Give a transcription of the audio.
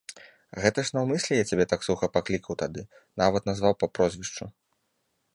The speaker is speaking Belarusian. Гэта ж наўмысля я цябе так суха паклікаў тады, нават назваў па прозвішчу.